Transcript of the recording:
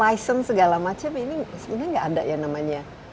tapi sebenarnya tidak ada yang namanya